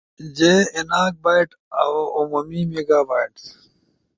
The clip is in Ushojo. جے ایناک بائٹس، عمومی میگا بائٹس